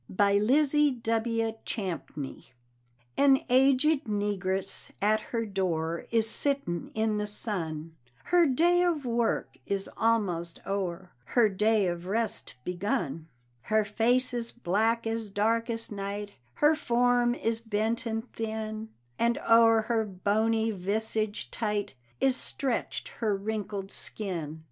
_) BY LIZZIE W. CHAMPNEY. An aged negress at her door Is sitting in the sun; Her day of work is almost o'er, Her day of rest begun. Her face is black as darkest night, Her form is bent and thin, And o'er her bony visage tight Is stretched her wrinkled skin.